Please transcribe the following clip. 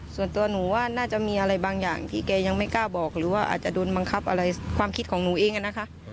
ส่วนตัวหนูว่าน่าจะมีอะไรบางอย่างที่แกยังไม่กล้าบอกหรือว่าอาจจะโดนบังคับอะไรความคิดของหนูเองอะนะคะ